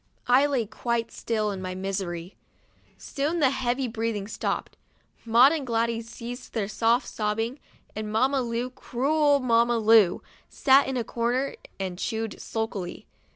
I lay quite still in my misery. Soon the heavy breathing stopped. Maud and Gladys ceased their soft sobbing, and Mamma Lu — cruel Mamma Lu — sat in a corner and chewed sulkily.